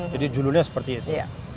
jadi judulnya seperti itu